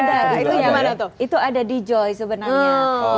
nah itu ada di joy sebenarnya